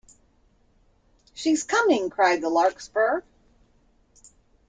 ‘She’s coming!’ cried the Larkspur.